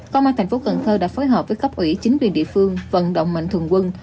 công an tp cn đã phối hợp với cấp ủy chính quyền địa phương vận động mạnh thượng quân